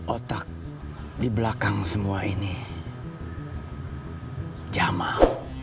otak di belakang semua ini jamal